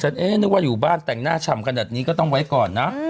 เอ๊ะนึกว่าอยู่บ้านแต่งหน้าฉ่ำขนาดนี้ก็ต้องไว้ก่อนนะ